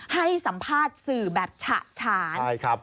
ให้สัมภาษณ์สื่อแบบฉะฉาน